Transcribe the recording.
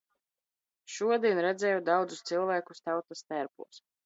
Šodien redzēju daudzus cilvēkus tautastērpos.